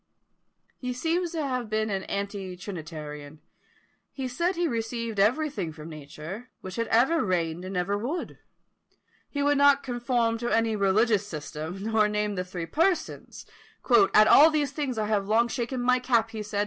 He seems to have been an anti trinitarian. He said he received everything from nature, which had ever reigned and ever would. He would not conform to any religious system, nor name the three Persons, "At all these things I have long shaken my cap," he said.